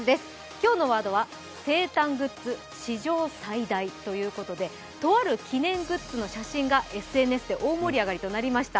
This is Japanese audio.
今日のワードは生誕グッズ史上最大ということでとある記念グッズの写真がＳＮＳで大盛り上がりとなりました。